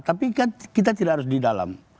tapi kan kita tidak harus di dalam